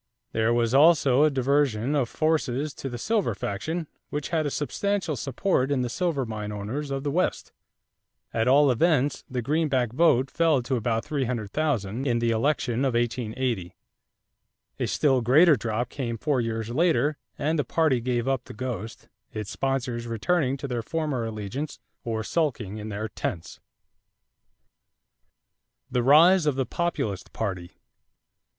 There was also a diversion of forces to the silver faction which had a substantial support in the silver mine owners of the West. At all events the Greenback vote fell to about 300,000 in the election of 1880. A still greater drop came four years later and the party gave up the ghost, its sponsors returning to their former allegiance or sulking in their tents. =The Rise of the Populist Party.